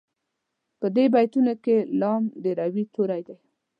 په دې بیتونو کې لام د روي توری دی.